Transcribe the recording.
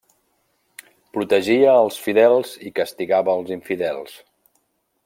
Protegia els fidels i castigava els infidels.